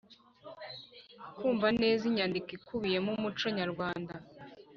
kumva neza imyandiko ikubiyemo umuco nyarwanda